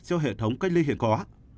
cho hệ thống cách ly hiện có